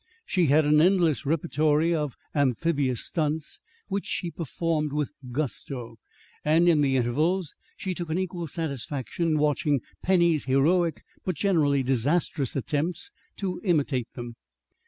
She had an endless repertory of amphibious stunts which she performed with gusto, and in the intervals she took an equal satisfaction in watching Penny's heroic but generally disastrous attempts to imitate them.